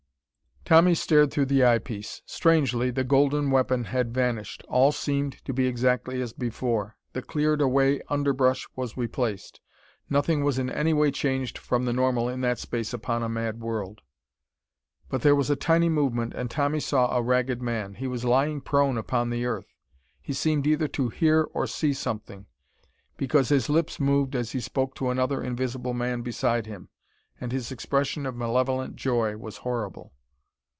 Tommy stared through the eye piece. Strangely, the golden weapon had vanished. All seemed to be exactly as before. The cleared away underbrush was replaced. Nothing was in any way changed from the normal in that space upon a mad world. But there was a tiny movement and Tommy saw a Ragged Man. He was lying prone upon the earth. He seemed either to hear or see something, because his lips moved as he spoke to another invisible man beside him, and his expression of malevolent joy was horrible.